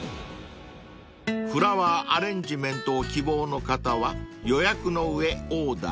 ［フラワーアレンジメントを希望の方は予約の上オーダー］